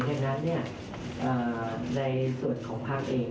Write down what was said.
ดังนั้นในส่วนของภาคเอง